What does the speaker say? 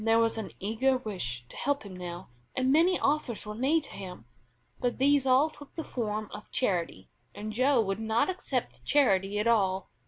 There was an eager wish to help him now, and many offers were made to him; but these all took the form of charity, and Joe would not accept charity at all.